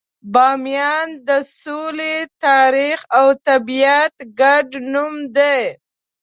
بامیان د سولې، تاریخ، او طبیعت ګډ نوم دی.